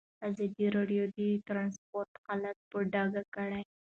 ازادي راډیو د ترانسپورټ حالت په ډاګه کړی.